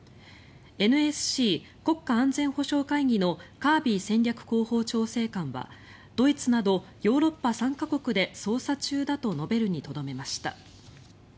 ＮＳＣ・国家安全保障会議のカービー戦略広報調整官はドイツなどヨーロッパ３か国で捜査中だと述べるにとどめました。